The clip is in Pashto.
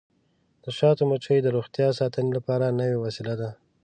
د شاتو مچۍ د روغتیا ساتنې لپاره نوې وسیله ده.